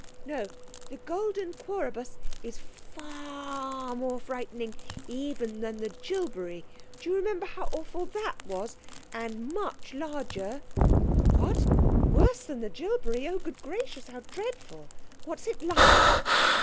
'No... the golden quoribus is far ar r r r more frightening even than the jilbery. Do you remember how awful that was? And much larger.' 'What! Worse than the jilbery! Oh, good gracious! How dreadful! What's it like?'